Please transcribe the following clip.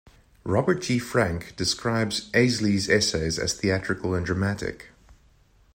Robert G. Franke describes Eiseley's essays as theatrical and dramatic.